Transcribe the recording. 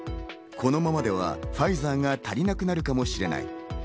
このままではファイザーが足りなくなるかもしれない。